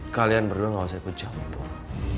kalian berdua gak usah ikut jauh jauh